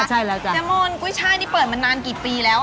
เจ้าโมนกุ้นช่ายที่เปิดมานานกี่ปีแล้วคะ